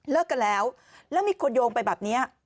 กันแล้วแล้วมีคนโยงไปแบบนี้